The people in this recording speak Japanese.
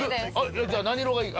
じゃあ何色がいい？